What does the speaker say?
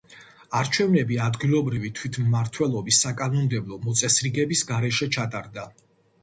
არჩევნები ადგილობრივი თვითმმართველობის საკანონმდებლო მოწესრიგების გარეშე ჩატარდა.